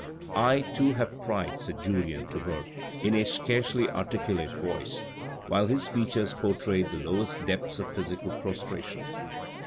" I, too, have pride," said Julien to her, in a scarcely articulate voice, while his features portrayed the lowest depths of physical prostration.